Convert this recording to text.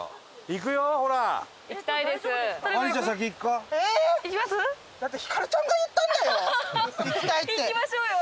行きましょうよ。